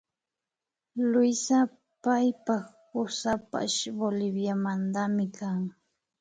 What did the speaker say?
Luisa paypak kusapash Boliviamantami kan